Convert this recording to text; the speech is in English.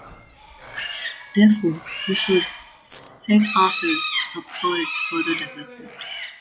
Therefore, we should set ourselves up for its further development.